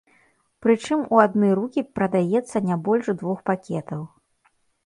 Прычым у адны рукі прадаецца не больш двух пакетаў.